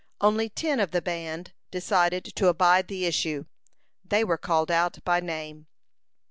Only ten of the band decided to abide the issue. They were called out by name.